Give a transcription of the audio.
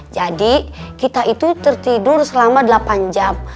jadi kita itu tertidur selama delapan jam